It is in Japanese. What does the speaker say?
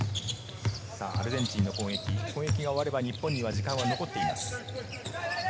アルゼンチンの攻撃、その攻撃が終われば、日本の攻撃の時間が残っています。